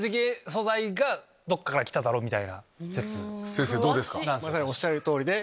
先生どうですか？